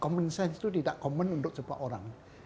common sense itu tidak common untuk semua orang